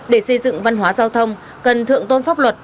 để xây dựng văn hóa giao thông cần thượng tôn pháp luật